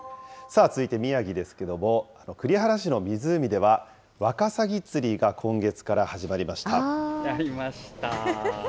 続いて宮城ですけれども、栗原市の湖では、ワカサギ釣りが今月から始まりました。